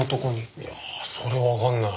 いやそれはわかんない。